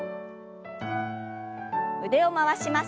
腕を回します。